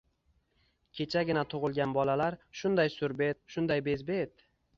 Kechagina tug‘ilgan bolalar... shunday surbet, shunday bezbet!